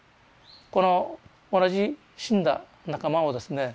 この同じ死んだ仲間をですね